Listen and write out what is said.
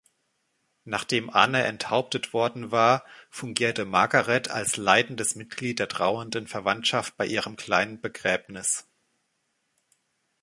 Nachdem Anne enthauptet worden war, fungierte Margaret als leitendes Mitglieder der trauernden Verwandtschaft bei ihrem kleinen Begräbnis.